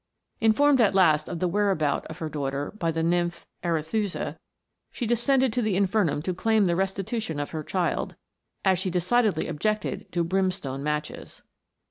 Informed at last of the whereabout of her daughter by the nymph Arethusa, she descended to the infernum to claim the restitution of her child, as she decidedly ob jected to brimstone matches.